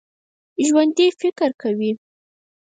ژوندي فکر کوي